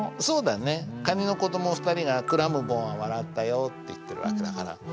そうだね蟹の子ども２人が「クラムボンはわらったよ」って言ってる訳だから。